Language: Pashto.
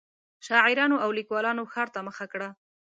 شاعرانو او لیکوالانو ښار ته مخه کړه.